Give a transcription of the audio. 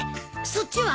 そっちは？